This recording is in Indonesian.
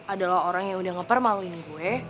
adalah orang yang udah ngepermalin gue